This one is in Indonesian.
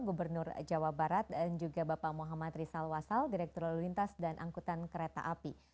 gubernur jawa barat dan juga bapak muhammad rizal wasal direktur lalu lintas dan angkutan kereta api